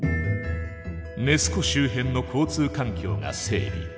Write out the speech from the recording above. ネス湖周辺の交通環境が整備。